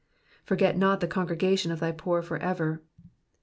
Forget not the congregatum of thy poor for ever.''